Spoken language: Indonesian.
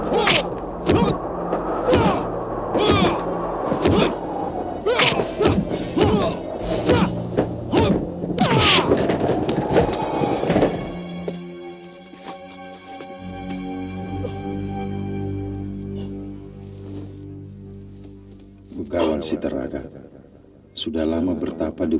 pamungkasinto gendeng hai pukulan matahari hai aku harus hati hati